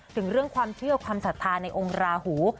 ถึงเรื่องความเชื่อความศรัทธาในองค์ราหู